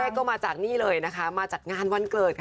ก็มาจากนี่เลยนะคะมาจากงานวันเกิดค่ะ